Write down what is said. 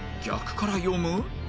逆から読む？